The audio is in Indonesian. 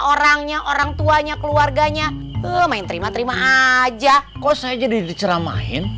orangnya orangtuanya keluarganya main terima terima aja kok saja jadi ceramahin